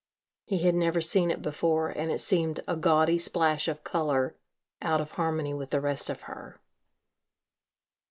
He had never seen it before and it seemed a gaudy splash of colour out of harmony with the rest of her.